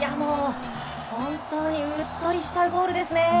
本当にうっとりしちゃうゴールですね。